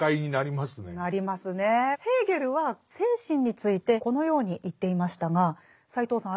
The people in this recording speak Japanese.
ヘーゲルは精神についてこのように言っていましたが斎藤さん